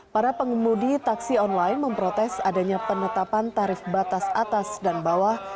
para pengemudi taksi online memprotes adanya penetapan tarif batas atas dan bawah